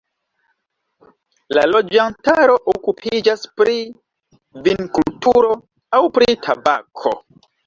La loĝantaro okupiĝas pri vinkulturo aŭ pri tabako.